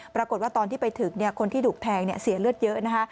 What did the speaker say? ตอนที่ไปถึงคนที่ถูกแทงเสียเลือดเยอะนะคะ